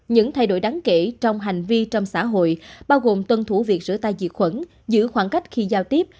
những thay đổi đáng kể trong hành vi trong xã hội bao gồm tuân thủ việc rửa tay diệt khuẩn giữ khoảng cách khi giao tiếp